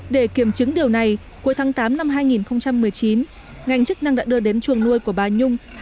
để kiểm chứng điều này cuối tháng tám năm hai nghìn một mươi chín ngành chức năng đã đưa đến chuồng nuôi của bà nhung